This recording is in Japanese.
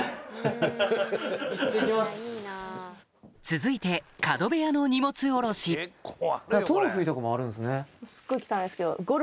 続いて角部屋の荷物下ろしすっごい汚いですけど。